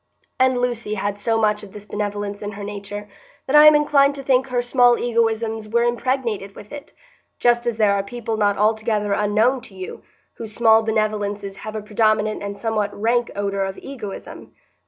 And Lucy had so much of this benevolence in her nature that I am inclined to think her small egoisms were impregnated with it, just as there are people not altogether unknown to you whose small benevolences have a predominant and somewhat rank odor of egoism.